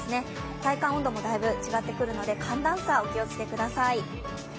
体感温度もだいぶ違ってくるので、寒暖差、お気をつけください。